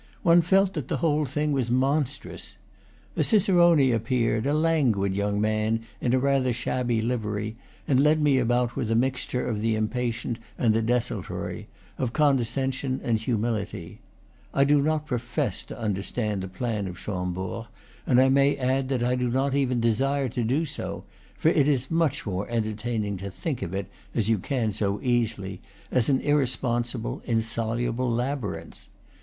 One felt that the whole thing was monstrous. A cicerone appeared, a languid young man in a rather shabby livery, and led me about with a mixture of the impatient and the desultory, of con descension and humility. I do not profess to under stand the plan of Chambord, and I may add that I do not even desire to do so; for it is much more entertaining to think of it, as you can so easily, as an irresponsible, insoluble labyrinth.